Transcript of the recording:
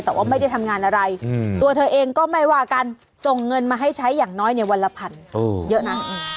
แต่ว่าไม่ได้ทำงานอะไรตัวเธอเองก็ไม่ว่ากันส่งเงินมาให้ใช้อย่างน้อยในวันละพันเยอะนะ